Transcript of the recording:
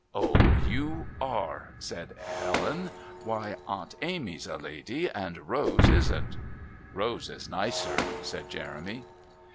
"Oh, you are!" said Helen. "Why, Aunt Amy's a lady, and Rose isn't." "Rose is nicer," said Jeremy.